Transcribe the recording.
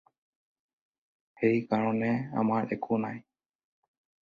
সেই কাৰণেই আমাৰ একো নাই